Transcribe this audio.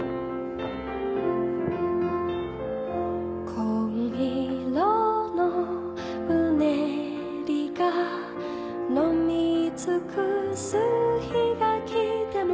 紺色のうねりがのみつくす日が来ても